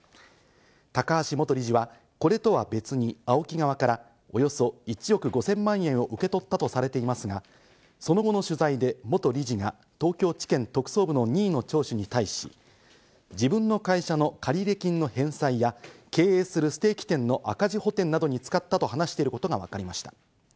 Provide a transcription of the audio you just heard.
高橋元理事はこれとは別にＡＯＫＩ側からおよそ１億５０００万円を受け取ったとされていますが、その後の取材で元理事が東京地検特捜部の任意の聴取に対し、自分の会社の借入金の返済や経営するステーキ店の赤字補填などに使ったと話していることがわかりました。